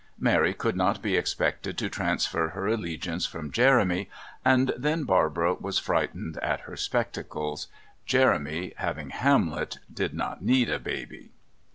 Mary could not be expected to transfer her allegiance from Jeremy, and then Barbara was frightened at her spectacles; Jeremy, having Hamlet, did not need a baby!